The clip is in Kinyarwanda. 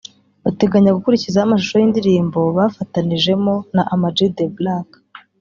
bateganya gukurikizaho amashusho y’indirimbo bafatanijemo na Ama-G The Black